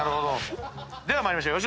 では参りましょう。